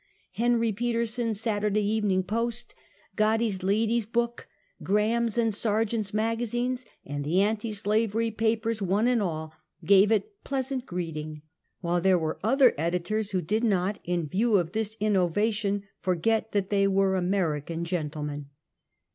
Henrv Peterson's Saturday Evening Post, Godey^s Lady^s Booh, Graham's and \ Sargent's magazines, and the anti slavery papers, one and all, gave it pleasant greeting, while there were other edi tors who did not, in view of this innovation, forget that they were American gentlemen.